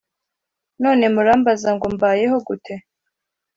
None murambaza ngo Mbayeho gute